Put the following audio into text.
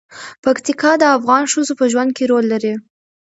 پکتیکا د افغان ښځو په ژوند کې رول لري.